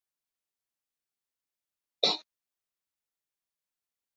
宇垣发起的这场神风特攻队的最后任务在日本国内褒贬不一。